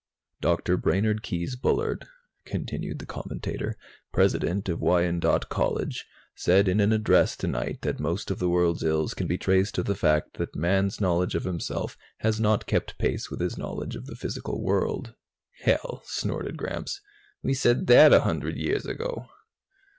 "Dr. Brainard Keyes Bullard," continued the commentator, "President of Wyandotte College, said in an address tonight that most of the world's ills can be traced to the fact that Man's knowledge of himself has not kept pace with his knowledge of the physical world." "Hell!" snorted Gramps. "We said that a hundred years ago!"